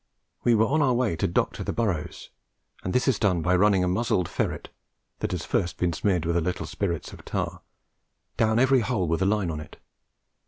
We were on our way to "doctor" the burrows, and this is done by running a muzzled ferret that has first been smeared with a little spirits of tar down every hole, with a line on it.